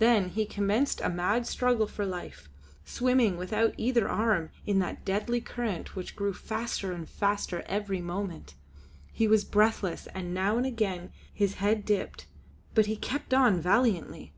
Then he commenced a mad struggle for life, swimming without either arm in that deadly current which grew faster and faster every moment. He was breathless, and now and again his head dipped; but he kept on valiantly.